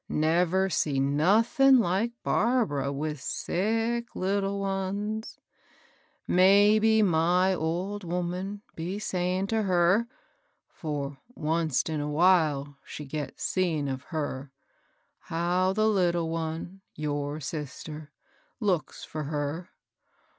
Never see nothin' like Barbara with sick little ones 1 Maybe my old woman'd be sayin* to her, — for onct in a while she gets seein' of her, — how the little one — your sister — looks for her.